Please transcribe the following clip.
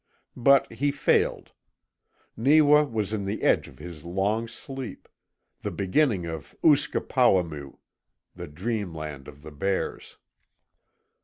But he failed. Neewa was in the edge of his Long Sleep the beginning of USKE POW A MEW, the dream land of the bears.